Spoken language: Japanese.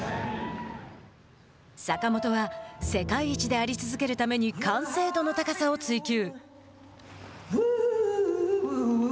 坂本は世界一であり続けるために完成度の高さを追求。